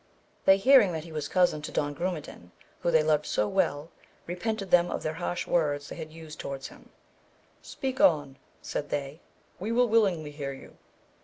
They hearing that he was cousin to Don Grumedan, whom they loved so well, repented them of the harsh words they had used towards him ; speak on, said they, we will willingly hear you.